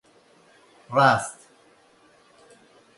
And we didn't quite broach the sexuality.